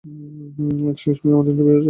Excuse me, আমাদের interview আছে।